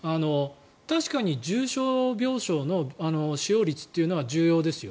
確かに重症病床の使用率というのは重要ですよ。